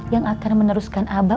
yang akan meneruskan abah